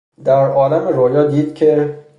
در عالم روُیا دید که...